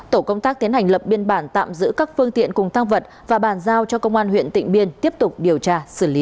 tổ công tác tiến hành lập biên bản tạm giữ các phương tiện cùng tăng vật và bàn giao cho công an huyện tịnh biên tiếp tục điều tra xử lý